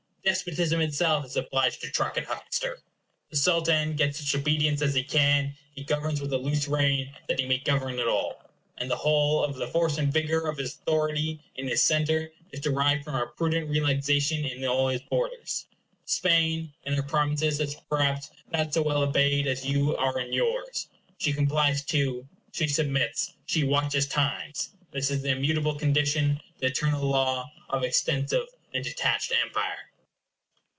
Despotism itself is obliged to truck and huckster. The Sultan gets such obedience as he can. He governs with a loose rein, that he may govern at all; and the whole of the force and vigor of his authority in his centre is derived from a prudent relaxation in all his borders. Spain, in her provinces, is, perhaps, not so well obeyed as you are in yours. She complies, too; she submits; she watches times. This is the immutable condition, the eternal law of extensive and detached empire.